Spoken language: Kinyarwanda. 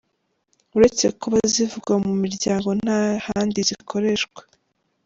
Uretse kuba zivugwa mu miryango, nta handi zikoreshwa.